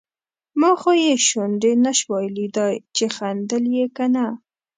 ما خو یې شونډې نشوای لیدای چې خندل یې که نه.